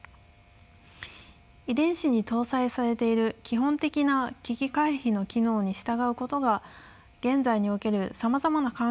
遺伝子に搭載されている基本的な危機回避の機能に従うことが現在におけるさまざまな環境においても最適であるとは限らないからです。